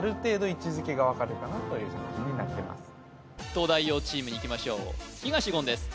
東大王チームいきましょう東言です